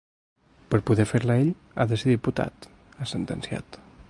Per a poder fer-la ell ha de ser diputat, ha sentenciat.